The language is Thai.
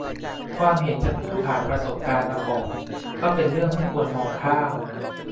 ความเห็นจากผู้ผ่านประสบการณ์มาก่อนก็เป็นเรื่องไม่ควรมองข้าม